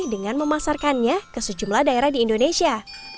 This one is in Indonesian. dengan memasarkannya ke sejumlah daerah di indonesia